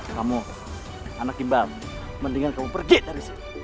kamu anak imbal mendingan kamu pergi dari sini